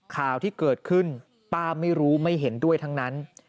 ข่าวที่เกิดขึ้นป้าไม่รู้ไม่เห็นด้วยทั้งนั้น